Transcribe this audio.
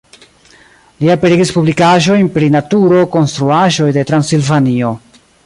Li aperigis publikaĵojn pri naturo, konstruaĵoj de Transilvanio.